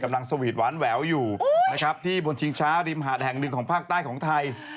สวีทหวานแหววอยู่นะครับที่บนชิงช้าริมหาดแห่งหนึ่งของภาคใต้ของไทย